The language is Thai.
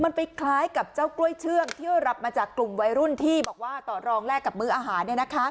มันไปคล้ายกับเจ้ากล้วยเชื่องที่รับมาจากกลุ่มวัยรุ่นที่บอกว่าต่อรองแลกกับมื้ออาหาร